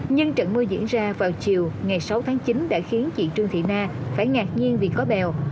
nhưng trận mưa diễn ra vào chiều ngày sáu tháng chín đã khiến chị trương thị na phải ngạc nhiên vì có bèo